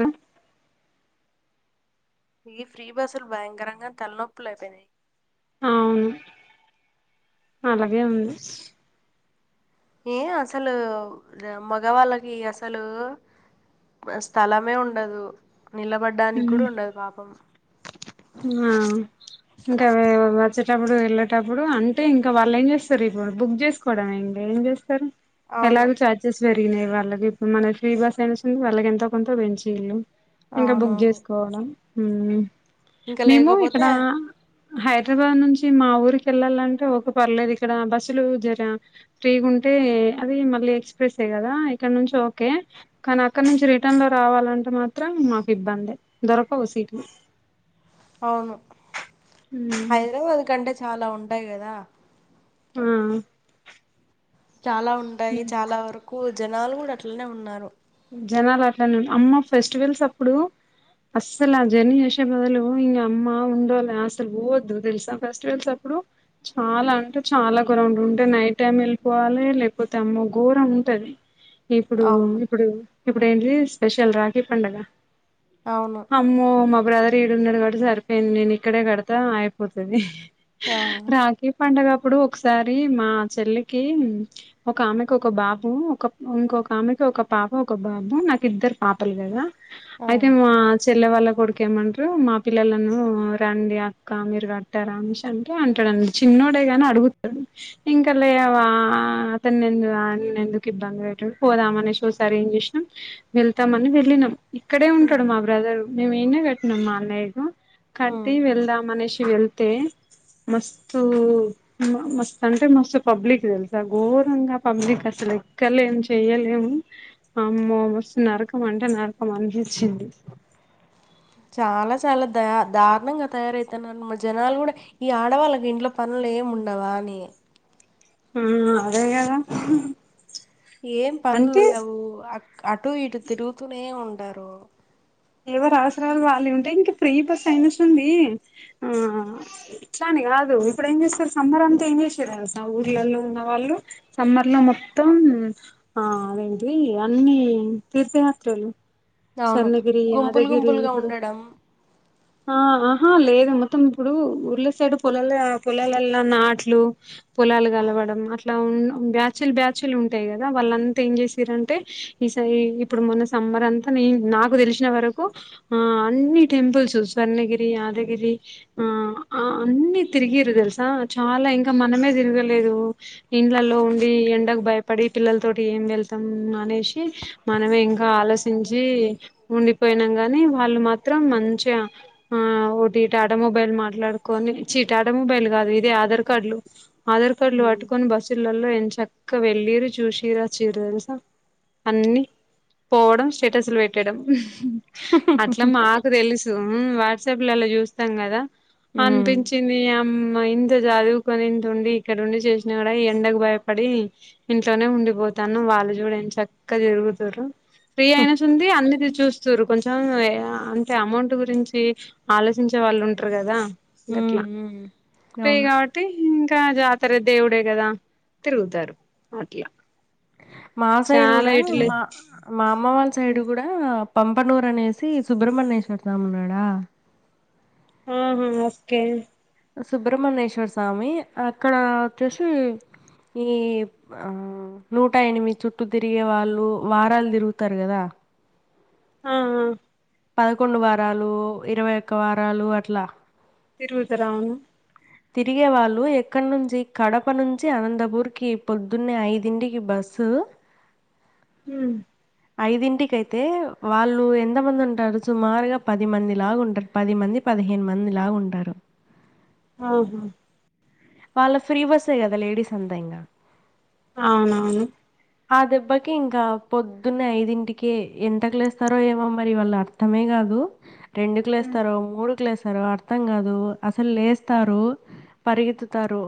హ ఇ ఫ్రీ బస్సులు భయంకరంగ తలనొప్పులు అయిపోయినయి అవును అలాగే ఉంది ఏం అసలు మగవాళ్ళకి అసలూ స్థలమే ఉండదు నిలబడ్డానిగ్గుడ ఉండదు పాపం ఆ ఇంక వె వచ్చేటప్పుడు వెళ్ళేటప్పుడు అంటే ఇంక వాళ్ళెం చేస్తరు ఇప్పుడు బుక్ చేసుకోవడమే ఇంగ ఏం జేస్ స్తరు అవును ఎలాగు చార్జెస్ పెరిగినయి వాళ్ళకి ఇప్పుడు మనకు ఫ్రీ బస్ అని వస్తుంది వాళ్ళకి ఎంతో కొంత పెంచిళ్ళు ఇంక బుక్ అవునవును జేసుకోవాల ఉమ్ ఇంకా మేము ఇక్కడ లేకపోతే ఆ హైదరాబాద్ నుంచి మా ఊరికి ఎళ్ళాలంటే ఒకే పర్లేదు ఇక్కడ బస్సులు జర ఫ్రీగుంటయి అదే మళ్ళీ ఎక్స్ప్రెస్ ఏ గదా ఇక్కడ్నుంచి ఓకే కనీ అక్కణ్ణుంచి రిటర్న్ లో రావాలంటే మాత్రం మాకు ఇబ్బందే దొరకవు సీట్లు అవును ఉమ్ హైదరాబాద్ కంటే చాలా ఉంటయి కదా ఉమ్ చాలా ఉంటాయి ఉమ్ చాలా వరకు జనాలు గూడ అట్లనే ఉన్నారు జనాలట్లానే ఉన్ అమ్మ ఫెస్టివల్స్ అప్పుడు అస్సలు ఆ జర్నీ చేసే బదులు నీ యమ్మ ఉండాలె అస్సలు పోవొద్దు తెలుసా ఫెస్టివల్స్ అప్పుడు చాలా అంటే చాలా గోరం ఉంటే నైట్ టైమ్ ఎళ్ళిపోవాలే లేకపోతే అమ్మో ఘోరం ఉంటది ఇప్పుడు అవును ఇప్పుడు ఇప్పుడేంటిది స్పెషల్ రాఖీ పండగ అవును అమ్మో మా బ్రదర్ ఈడున్నడు గాబట్టి సరిపోయింది నేను ఇక్కడే కడతా అయిపోతది ఆ ఈ పండగ అప్పుడు ఒకసారి మా చెల్లికి ఒకామెకి ఒక బాబు ఒక ఇంకొక ఆమెకి ఒక పాప ఒక బాబు నాకిద్దరు పాపలు కదా ఆ అయితే మా చ్ చెల్లె వాళ్ళ కొడుకేమంట్రు మా పిల్లలను రండి అక్క మీరు గట్టరా మిష్ అంటే అంటడండి చిన్నోడే గని అడుగుతడు ఇంకలేవా అతన్ని ఎందు ఆయనను ఎందుకు ఇబ్బంది పెట్టుడు పోదామనేసి వస్ సారేం జేసినం వెళ్తమని వెళ్లినం ఇక్కడే ఉమ్, ఉంటడు మాబ్ బ్రదర్ మేము ఈన్నే కట్టినం మా అన్నయ్యకు కట్టి ఉమ్. వెళ్దాం అనేసి వెళ్తే మస్తు మస్తు అంటే మస్తు పబ్లిక్ తెలుసా ఘోరంగా పబ్లిక్ అసలు ఎక్కడ్లేన్ జన్ చెయ్యలేము అమ్మో మస్త్ నరకం అంటే నరకం అనిపిచ్చింది చాలా చాలా దయా దారుణంగ తయారయితన్నారు మా జనాలు గూడ ఈ ఆడవాళ్ళకి ఇంట్లో పనులేం ఉండవా అని ఉమ్ అదేగదా ఏం పనులుండవు అక్ అటు ఇటు తిరుగుతూనే ఉంటారు ఎవరి అవసరాలు వాల్లయ్ ఉంటయ్ ఇంక ఫ్రీ బస్ అయినసంది ఆ అట్లని గాదు ఇప్పుడేం జేస్తురు సమ్మర్ అంతా ఏం చేసిర్రు తెల్సా ఊర్లల్లో ఉన్న వాళ్ళు సమ్మర్ లో మొత్తం ఆ అవేంటియి అన్నీ తీర్థయాత్రలు అవును స్వర్ణగిరి గుంపులు యాదగిరి గుంపులుగా ఇప్పుడు ఉండడం ఆ ఆహా లేదు మొత్తం ఇప్పుడు ఊర్ళ సైడు పొలాల పొలాలల్ల నాట్లు పొలాలు కలవడం అట్ల ఉన్ బ్యాచులు బ్యాచులు ఉంటాయి కదా వాళ్ళంతా ఏం చేసిర్రంటే ఈసయి ఇప్పుడు మొన్న సమ్మర్ అంతా నే నాకు తెలిసిన వరకు ఆ అన్ని టెంపుల్స్ స్వర్ణగిరి యాదగిరి ఆ ఆ అన్ని తిరిగిరు తెలుసా చాలా ఇంకా మనమే తిరగలేదు ఇండ్లలో ఉండి ఎండకు భయ పడి పిల్లల తోటి ఏం వెళ్తాం అనేసి మనమే ఇంగ ఆలోచించి ఉండిపోయినాం గానీ వాళ్ళు మాత్రం మంచిగా ఆ ఓటి టాటా మొబైల్ మాట్లాడుకొని చి టాటా మొబైల్ కాదు ఇదే ఆధార్ కార్డులు ఆధార్ కార్డులు ఉమ్. పట్టుకొని బస్సులల్లో ఎం చక్క వెళ్ళిర్రు చూసిరు వచ్చిర్రు తెలుసా అన్ని పోవడం స్టేటస్లు పెట్టడం అట్ల మాకు తెలుసు వాట్సాప్ లల్లో చూస్తాం కదా ఉమ్, అనిపించి చ్చింది అమ్మ ఇంత చదువుకొని ఇంత ఉండి ఇక్కడ ఉండి చేసిన కూడా ఎండకు భయపడి ఇంట్లోనే ఉండిపోతాను వాళ్ళు చూడు ఎన్ చక్క తిరుగుతుర్రు ఫ్రీ అయినట్టుంది అన్ని చూస్తుర్రు కొంచెం అంటే అమౌంట్ గురించి ఆలోచించే వాళ్ళు ఉంటారు కదా గట్ల ఉమ్, ఉమ్. ఫ్రీ అవును కాబట్ అంటే ఇంగ జాతర దేవుడే కదా తిరుగుతారు అట్లా మా సైడు చాలా కూడా ఇటులే మా మా అమ్మ వాళ్ళ సైడ్ కూడా పంపనూరు అనేసి సుబ్రహ్మణ్యేశ్వర్ స్వామి ఉన్నాడా ఆహా ఓకే సుబ్రహ్మణ్యేశ్వర స్వామి అక్కడ వచ్చేసి ఈ ఆ నూట ఎనిమిది చుట్లు తిరిగే వాళ్ళు వారాలు తిరుగుతారు కదా ఆ ఆ పదకొండు వారాలు ఇరవై ఒక్క వారాలు అట్ల తిరుగుతరు అవును తిరిగే వాళ్ళు ఎక్కడ నుంచి కడప నుంచి అనంతపూర్ కి పొద్దున్నే ఐదింటికి బస్సు మ్మ్ ఐదింటికి అయితే వాళ్ళు ఎంతమంది ఉంటారు సుమారుగా పది మంది లాగా ఉంటారు పది మంది పదిహేను మంది లాగా ఉంటారు అవును వాళ్ళ ఫ్రీ బస్సే కదా లేడీస్ అంతా ఇంగ అవునవును ఆ దెబ్బకి ఇంకా పొద్దున్నే ఐదింటికి ఎంతకు లేస్తారో ఏమో మరి వాళ్ళ అర్ తమే కాదు రెండుకు లేస్తారు మూడుకు లేస్తారో అర్థం కాదు అసలు లేస్తారు పరిగెతు తారు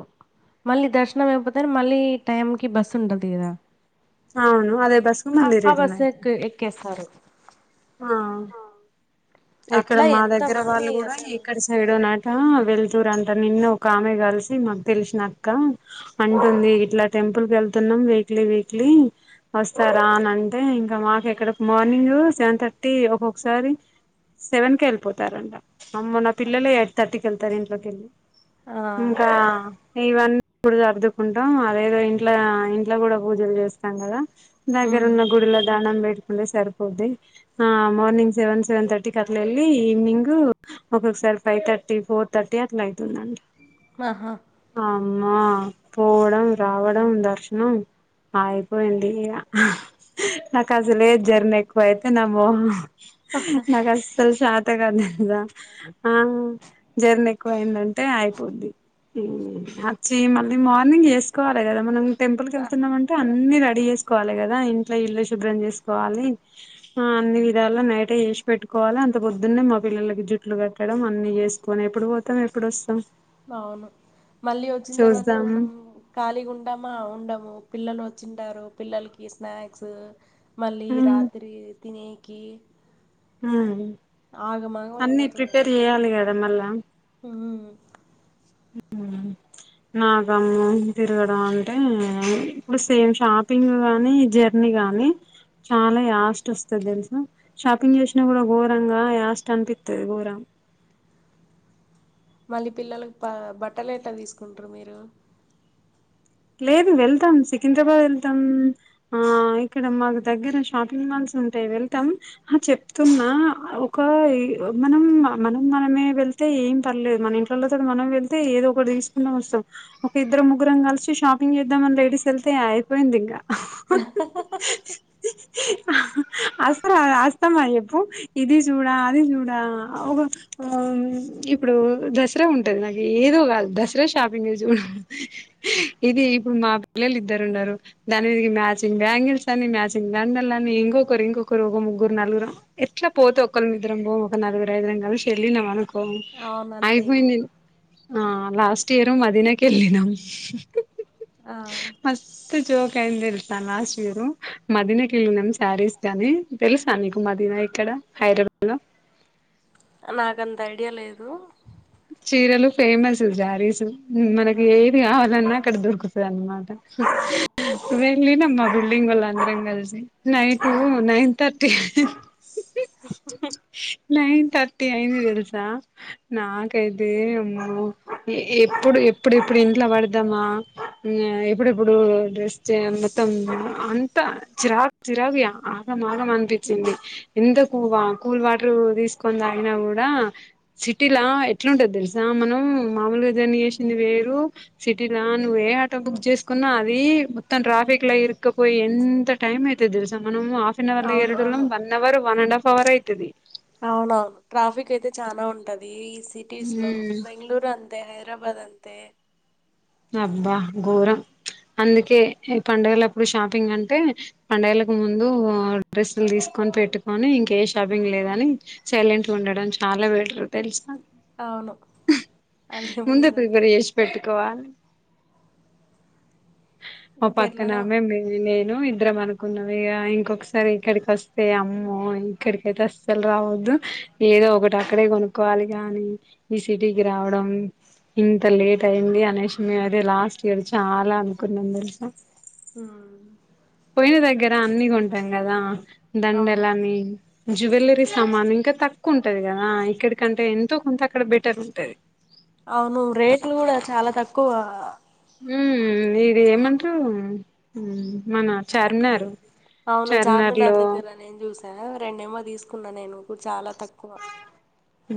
మళ్ళీ దర్శనం అయిపోతనే మళ్ళీ టైం కి బస్సు ఉండదు కదా అవును అదే బస్సుకు ఆ మళ్ళీ ఆ రిటర్న్ బస్ ఎక్ అయితరు ఎక్కేస్తారు ఆ ఇక్కడ అట్లా మా దగ్గర ఎంతమంది వాళ్ళు కూడా అసలు ఇక్కడ సైడో నాట వెల్తురు అంట నిన్న ఒక ఆమె కలిసి మాకు తెలిసినక్క అంటుంది ఇట్లా టెంపుల్ కి వెళ్తున్నాం వీక్లీ వీక్లీ వస్తారా అని అంటే ఇంకా మాకు ఇక్కడ మార్నింగ్ సెవన్ థర్టీ ఒకొక్కసారి సెవెన్ కే వెళ్ళిపోతారంట అమ్మో నా పిల్లలే ఎయిట్ థర్టీ ళ్తారు ఇంట్లోకెళ్ళి ఆ! ఇంకా ఇవన్నీ ఇప్పుడు సర్దుకుంటాం అదేదో ఇంట్లో ఇంట్లో కూడా పూజలు చేస్తాం కదా దగ్గర హ్మ్. ఉన్న గుడిలో దానం బేట్కుంటే సరిపోది ఆ మార్నింగ్ సెవెన్ సెవెన్ తర్టీకి అట్ల ఎల్లి ఈవ్నింగ్ ఒక్కొక్కసారి ఫైవ్ థర్టీ ఫోర్ థర్టీ అట్ల అయితుందండి. ఆహా అమ్మా పోవడం, రావడం, దర్శనం ఆ అయిపోయింది ఇగా నాకసలే జర్నీ ఎక్కువయితే, తే నమో నాకసలు షాతగాదు ఇగా ఆ జర్నీ ఎక్కువయిందంటే అయిపోద్ది. ఉమ్ అచ్చి మళ్ళీ మార్నింగ్ ఎసుకోవాలి కదా మనం. టెంపుల్ కి ఎళ్తున్నామంటే, అన్ని రెడీ చేసుకోవాలి కదా ఇంట్లో ఇల్లు శుభ్రం చేసుకోవాలి. ఆ అన్ని విధాల నైటే చేసి పెట్టుకోవాలి, అంత పొద్దున్నే మా పిల్లలకి జుట్లు కట్టడం అన్ని చేస్ కోని ఎప్పుడు పోతాం ఎప్పుడు వస్తాం. అవును మళ్ళీ వచ్చిన్ తర్వాత చూద్దాం మనం ఖాళీగా ఉంటామా? ఉండము. పిల్లలు వచ్చింటారు, పిల్లలకి స్నాక్స్ మళ్ళీ రాత్రి తినేకి ఆగమాగం అన్నీ ప్రిపేర్ చెయాలి కదా మళ్ళా ఆ ఉ నాకమ్మో తిరగడం అంటే, ఇప్పుడు సేమ్ షాపింగ్ గానీ జర్ అన్ని గాని చాలా యాస్ట్ వస్తది తెలుసా షాపింగ్ చేసినా కూడ ఘోరంగా యాస్ట్ అనిపితది ఘోరం మళ్ళీ పిల్లలకి బా బట్టలెట్ల తీసుకుంట్రు మీరు? లేదు వెళ్తాం సికింద్రాబాద్ వెళ్తాం ఆ ఇక్కడ మాకు దగ్గర షాపింగ్ మాల్స్ ఉంటాయి వెళ్తాం ఆ చెప్తున్నా ఒకా ఈ మనం మనం మనమే వెళ్ తే ఏం పర్లేదు మన ఇంట్లలోల తోటి మనం వెళ్తే ఏదో ఒకటి తీసుకున్నా వస్తాం, ఒక ఇద్దరు ముగ్రం కలిసి షాపింగ్ చేద్దామని లేడీస్ వెళ్తే అయిపోయింది ఇంగ [unintelligible] ఆ అసలు అది అస్తమా చేప్పు ఇది చూడా అది చూడా ఆ ఒక ఆ ఇప్పుడు దసరా ఉంటది, నాకు ఏదో కాదు దసరా షాపింగ్ చూసి చూడ [unintelligible] ఇది ఇప్పుడు మా పిల్లలు ఇద్దరు ఉండారు. దాని మీదికి మ్యాచింగ్ బ్యాంగిల్స్ అని మ్యాచింగ్ దండలని, ఇంకొకరు ఇంకొకరు ఒక ముగ్గురు నలుగురు ఎట్లా పోతే ఒకళ్ ఇద్రం పో, ఒక నలుగురు ఐదుగురం కలిసి వెళ్లినమనుకో కో అవును అంతే ఇంగ అయిపోయింది, ఆ లాస్ట్ ఇయర్ మదీనాకి ఎల్లినమ్. ఆ మస్తు జోక్ అయింది తెలుసా లాస్ట్ ఇయరు, మదీనకి ఎళ్ళినాం శారీస్ కని తెలుసా నీకు మాదీనా ఎక్కడ హైద్రా లో నాకంత ఐడియ లేదు చీరలు ఫేమస్ జారీస్ ఆ, మనకి ఏ కావాలన్నా అక్కడ దోర్కుతయి అన్మాట ఆహా ఆ వెళ్ళనమ్ మా బల్డింగ్ ఒళ్ళం అందరం కలిసి నైటు ఆ నైన్ థర్ తే [unintelligible] నైన్ థర్టీ అయింది తెలుసా నా [unintelligible] ఎప్పుడు ఎప్పుడు ఎప్పుడు ఇంట్లో పడదామా, ఎప్పుడెప్పుడు డ్రెస్ చేయజ్ మొత్తం అంత చిరా చిరాకు ఇగ ఆగంమాగం అనిపించింది. ఎంత [unintelligible] కూల్ వాటర్ తీసుకొని తాగిన కూడా సిటీలా ఎట్లుంటది తెలుసా మనం మామూలుగా దేని చేసింది వేరు, సిటీలా నువ్వే ఆటో బుక్ చేసుకున్నా, అది మొత్తం ట్రాఫిక్ లా ఇరుకపోయి ఎంత టైమ్ అవుతుది తెలుస మనం హాఫ్న్ అవర్ల ఎ అవును ఏడుం అవును one hour one and half hour అయితది అవునవును ట్రాఫిక్ అయితే చాల ఉంటది ఈ సిటీస్ లో ఉమ్ బెంగళూరు అంతే హైదరాబాద్ అంతే అబ్బా ఘోరం అందుకే ఈ పండగలప్పుడు షాపింగ్ అంటే పండుగలకు ముందు డ్రెస్సులు తీసుకొని పెట్టుకొని ఇంకే షాపింగ్ లేదని సైలెంట్గ ఉండడం చాలా బెటర్ తెలుసా అవును అదేమో ముందే నిజమే ప్రిపేర్ చేసి పెట్టుకోవాలి మా ఇంకెట్లనో పక్కనమే [unintelligible] ఇద్దరం అనుకున్నవి ఇ ఇంకొకసారి ఇక్కడికి వస్తే అమ్మో ఇక్కడికైతే అసలు రావద్దు ఏదో ఒకటి అక్కడే కొనుక్కోవాలి గాని ఈ సిటీకి రావడం ఇంత లేట్ అయింది అనేసి మేము అదే లాస్ట్ ఇయర్ చాల అనుకున్నాం తెలుసా ఆ పోయిన దగ్గర అన్ని కొంటాం కదా అవును దండలని జ్యువెలరీ సామాన్ ఇంక తక్కువ ఉంటది కదా ఇక్కడికంటే ఎంతో కొంత అక్కడ బెటర్ ఉంటది అవును రేట్లు కూడ చాలా తక్కువ ఉ ఇది ఏమంటారు మన చార్మినారు అవును చార్మినార్ చార్మినారులో దగ్గర నేను చూస రెండేమో తీసుకున్నా నేను చాల తక్కువ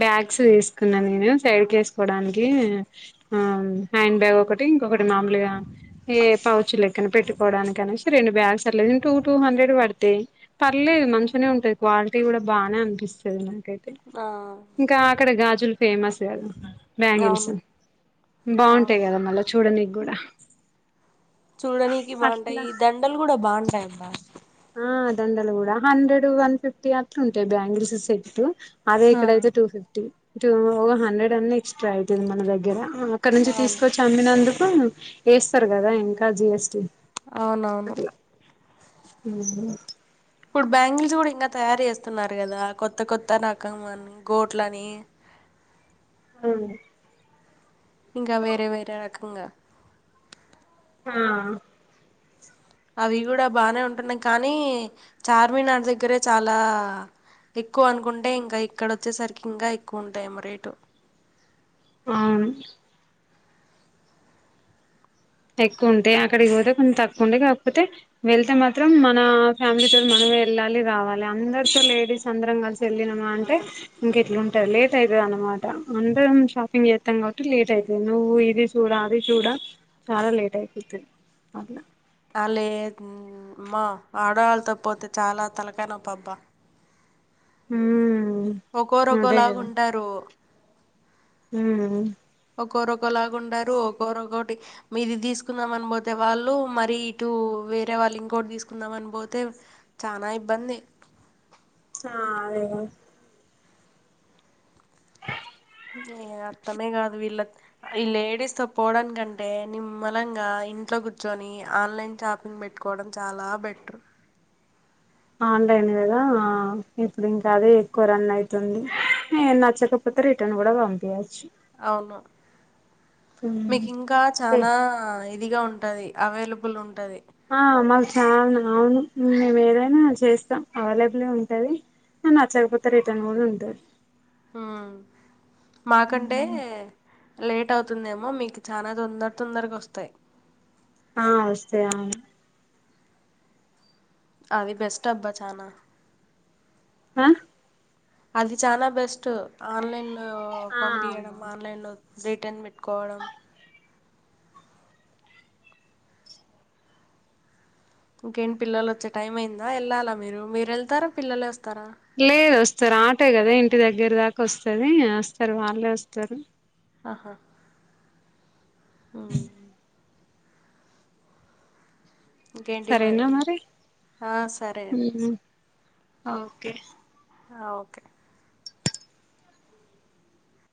బ్యాగ్స్ తీసుకున్నా నేను సైడ్కి వేసుకోడానికి ఆ హ్యాండ్ బ్యాగ్ ఒకటి ఇంకొకటి మామూలుగా ఏ పౌచ్ లె పక్కన పెట్టుకోవడానికనేసి రెండు బ్యాసర్ల కు టూ టూ హండ్రెడ్ [unintelligible] పర్లేదు మంచినే ఉంటంది క్వాలిటీ కూడ బాగానే అనిపిస్తది నాకైతే ఆ ఇంకా అక్కడ గాజులు ఫేమస్ కదా బ్యాంగిల్స్ అవును బాగుంటాయ్ అవును కదా మళ్ళ చూడానికి కూడ చూడానికి బాగుంటాయి ఈ దండలు కూడా బాగుంటాయిబ్బ ఆ దండలు కూడ హండ్రెడ్ వన్ ఫిఫ్టీ అట్లుంటాయి బ్యాంగిల్స్ సెట్ అదే ఆ ఇక్కడైతే టూ ఫిఫ్టీ టూ ఒక హండ్రెడ్ అన్ని ఎక్స్ట్రా అయితుంది మన దగ్గర అక్కడ నుంచి అవును తీసుకొచ్చి అమ్మినందుకు వేస్తారు కదా ఇంకా జిఎస్టి అవునవును హు ఇప్పుడు బ్యాంగిల్స్ కూడ ఇంకా తయారు చేస్తున్నారు కదా కొత్త కొత్త రక అని గోట్లని హ ఇంక వేరే వేరే రకంగా ఆ అవి కూడ బానే ఉంటన్నాయి కానీ చార్మినార్ దగ్గరే చాల ఎక్కువ అనుకుంటే ఇంకా ఇక్కడ వచ్చేసరికి ఇంకా ఎక్కువ ఉంటాయమో రేటు అవున్ ఎక్కువ ఉంటే అక్కడికి పోతే కొన్ని తక్కువ ఉంటే కాకపోతే వెళ్తే మాత్రం మన ఫ్యామిలీతోని మనమే వెళ్ళాలి రావాలి అందరితో లేడీస్ అందరం కలిసి వెల్లినమా అంటే ఇంకెట్లుంటారు లేట్ అయితది అనమాట అంటే షాపింగ్ చేత్తాం కాబట్టి లేట్ అయితది నువ్వు ఇది చూడ అది చూడ చాలా లేట్ అయిపోతది అది అ లేదు మా ఆడవాళ్ళతో పోతే చాలా తలకాయనొప్పబ్బా హ్మ్ ఒక్కోరు ఒక్కోలాగ ఉంటారు హ్మ్ ఒక్కోరు ఒక్కోలాగా ఉండరు ఒక్కోరు ఒక్కోటి మీది తీసుకుందాం అని పోతే వాళ్ళు మరి ఇటు వేరే వాళ్ళు ఇంకోటి తీసుకుందాం అని పోతే చానా ఇబ్బంది [unintelligible] ఏ అర్థమే కాదు వీళ్ళక్ ఈ లేడీస్ తో పోవడానికంటే నిమ్మలంగా ఇంట్లో కూర్చొని ఆన్లైన్ షాపింగ్ పెట్టు కోడం చాలా బెట్రు ఆన్లైన్ కదా ఆ ఇప్పుడు ఇంకా అదే ఎక్కువ రన్ అయితుంది ఏ నచ్చకపోతే రిటర్న్ కూడా పంపియొచ్చు అవును మీకింకా ఉమ్ చానా ఇదిగా ఉంటది అవైలబుల్ ఉంటది ఆ మాకు చానా అవును మేము ఏదైనా చేస్తాం అవైలబులే ఉంటది అ నచ్చక పోతే రిటర్న్ కూడా ఉంటది హా మాకంటే లేట్ అవుతుందేమో మీకు చానా తొందర తొందరగొస్తాయి ఆ వస్తాయి అవును అది బెస్ట్ అబ్బా చానా హా అది చాలా బెస్ట్ ఆన్లైన్ లో ఆ పంపియడం అవునవును ఆన్లైన్ లో రిటర్న్ పెట్టుకోవడం ఇంకేంటి పిల్లలు వచ్చే టైం అయిందా వెళ్ళాలా మీరు మీరు వెళ్తారా పిల్లలే వస్తారా లేదు వస్తారు ఆటో కదా ఇంటి దగ్గర దాకా వస్తది వస్తరు వాళ్ళే వస్తారు అహా హ్మ్ సరేనా మరి ఆ సరే అండి హ్మ్ ఓకే హా ఓకే